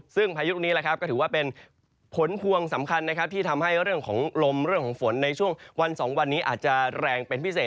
ซึ่งพายุลูกนี้ก็ถือว่าเป็นผลพวงสำคัญนะครับที่ทำให้เรื่องของลมเรื่องของฝนในช่วงวัน๒วันนี้อาจจะแรงเป็นพิเศษ